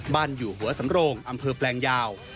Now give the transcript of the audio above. อยู่หัวสำโรงอำเภอแปลงยาว